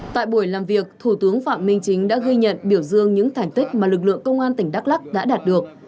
tại buổi làm việc thủ tướng phạm minh chính đã ghi nhận biểu dương những thành tích mà lực lượng công an tỉnh đắk lắc đã đạt được